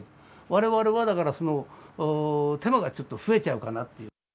われわれはだから、手間がちょっと増えちゃうかなっていう。